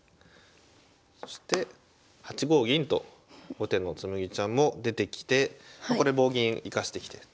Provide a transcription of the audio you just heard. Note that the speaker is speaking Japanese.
そして８五銀と後手の紬ちゃんも出てきてこれ棒銀生かしてきて。